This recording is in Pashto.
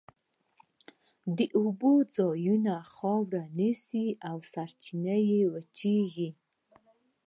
د اوبو ځای خاورې نیسي او سرچینه وچېږي.